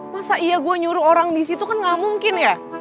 masa iya gua nyuruh orang disitu kan gak mungkin ya